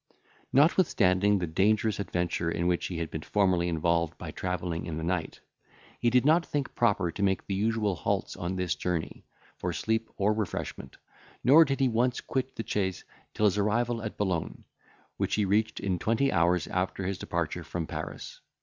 Notwithstanding the dangerous adventure in which he had been formerly involved by travelling in the night, he did not think proper to make the usual halts on this journey, for sleep or refreshment, nor did he once quit the chaise till his arrival at Boulogne, which he reached in twenty hours after his departure from Paris.